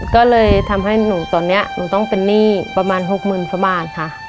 ก็เลยทำให้หนูตอนนี้หนูต้องเป็นหนี้ประมาณ๖๐๐๐กว่าบาทค่ะ